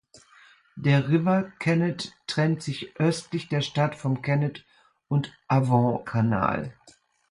Der River Kennet trennt sich östlich der Stadt vom Kennet-und-Avon-Kanal.